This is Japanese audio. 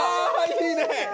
いいね。